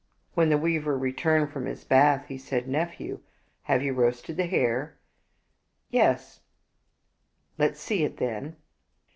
When the weaver returned from his bath, he said, " Nephew, have you roasted the hare? " "Yesl" " Let's see it, then."